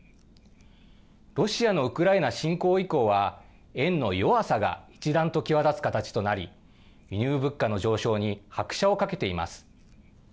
ロシアのウクライナ侵攻以降は、円の弱さが一段と際立つ形となり、輸入物価の上昇に拍車をかけています。